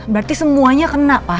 berarti semuanya kena pak